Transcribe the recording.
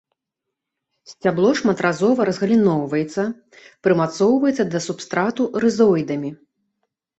Сцябло шматразова разгаліноўваецца, прымацоўваецца да субстрату рызоідамі.